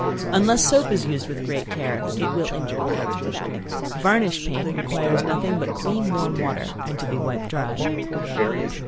Unless soap is used with great care, it will injure paint. Varnished paint requires nothing but clean warm water and to be wiped dry.